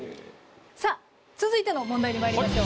さあ続いての問題にまいりましょう。